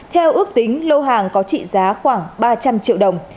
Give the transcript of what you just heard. theo ước tính lô hàng có trị giá khoảng ba trăm linh triệu đồng